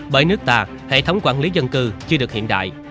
trước ta hệ thống quản lý dân cư chưa được hiện đại